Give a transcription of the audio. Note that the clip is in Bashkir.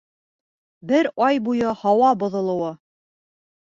Бер ай буйы һауа боҙолоуы.